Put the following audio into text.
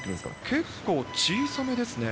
結構、小さめですね。